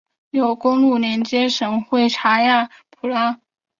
有公路连接省会查亚普拉。